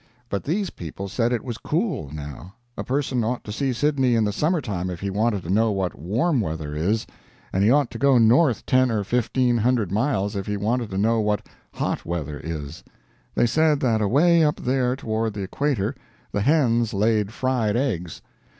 But these people said it was cool, now a person ought to see Sydney in the summer time if he wanted to know what warm weather is; and he ought to go north ten or fifteen hundred miles if he wanted to know what hot weather is. They said that away up there toward the equator the hens laid fried eggs.